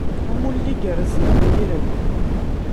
Amulli igerrzen a Muirel!